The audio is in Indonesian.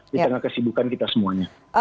di tengah kesibukan kita semuanya